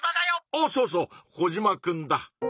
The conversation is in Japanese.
おおそうそうコジマくんだ。